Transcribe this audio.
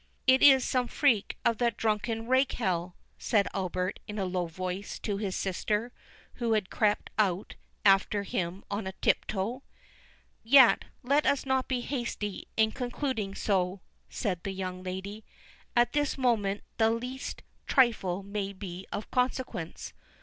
"It is some freak of that drunken rakehell," said Albert, in a low voice, to his sister, who had crept out after him on tiptoe. "Yet, let us not be hasty in concluding so," said the young lady; "at this moment the least trifle may be of consequence.